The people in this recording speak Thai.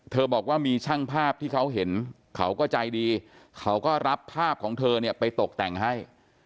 บอกว่ามีช่างภาพที่เขาเห็นเขาก็ใจดีเขาก็รับภาพของเธอเนี่ยไปตกแต่งให้